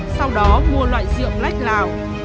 sau đó mua loại rượu black lào